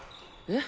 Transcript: え？